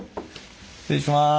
失礼します。